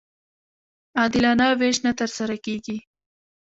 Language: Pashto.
عادلانه وېش نه ترسره کېږي.